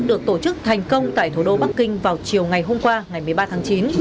được tổ chức thành công tại thủ đô bắc kinh vào chiều ngày hôm qua ngày một mươi ba tháng chín